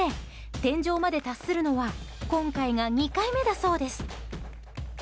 天井まで達するのは今回が２回目だそうです。